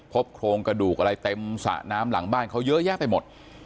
โครงกระดูกอะไรเต็มสระน้ำหลังบ้านเขาเยอะแยะไปหมด